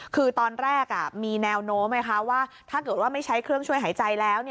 คือตอนแรกมีแนวโน้มไหมคะว่าถ้าเกิดว่าไม่ใช้เครื่องช่วยหายใจแล้ว